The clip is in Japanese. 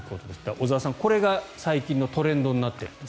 小澤さん、これが最近のトレンドになっていると。